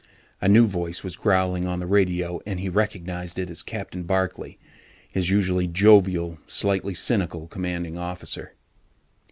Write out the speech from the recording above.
A new voice was growling on the radio, and he recognized it as Captain Barkley, his usually jovial, slightly cynical commanding officer.